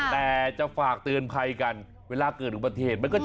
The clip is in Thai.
แต่จะฝากเตือนไพรกันเวลาเกิดอุบัติเหตุ